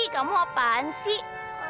kamu apaan sih